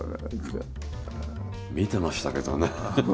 見てましたけどね。